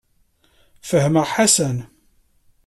Fehmeɣ Ḥasan.